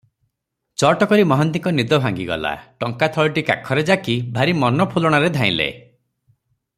ଚଟକରି ମହାନ୍ତିଙ୍କ ନିଦ ଭାଙ୍ଗିଗଲା, ଟଙ୍କା ଥଳିଟି କାଖରେ ଯାକି ଭାରି ମନ ଫୁଲଣାରେ ଧାଇଁଲେ ।